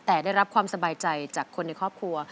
แต่ได้รับความสบายใจจากคนในครอบครัว